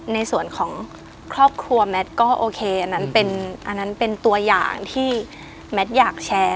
ในส่วนของครอบครัวแมทก็โอเคอันนั้นเป็นอันนั้นเป็นตัวอย่างที่แมทอยากแชร์